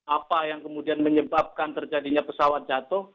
apa yang kemudian menyebabkan terjadinya pesawat jatuh